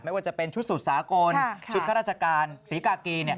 ว่าจะเป็นชุดสุดสากลชุดข้าราชการศรีกากี